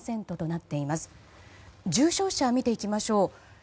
重症者を見ていきましょう。